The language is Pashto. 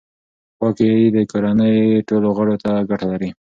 پاکي د کورنۍ ټولو غړو ته ګټه لري.